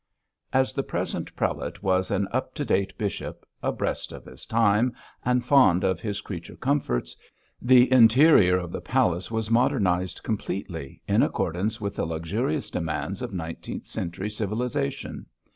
As the present prelate was an up to date bishop, abreast of his time and fond of his creature comforts, the interior of the palace was modernised completely in accordance with the luxurious demands of nineteenth century civilisation.